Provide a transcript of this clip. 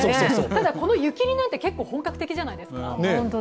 ただ、この湯切りなんて結構本格的なんじゃないですか？